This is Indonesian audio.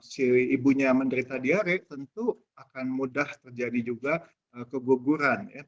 si ibunya menderita diare tentu akan mudah terjadi juga keguguran